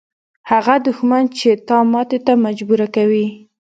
هغه دښمن چې تا ماتې ته مجبوره کوي.